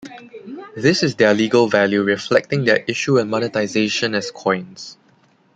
This is their legal value reflecting their issue and monetization as coins.